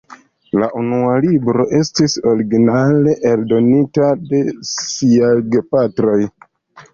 La unua libro estis originale eldonita de sia gepatroj.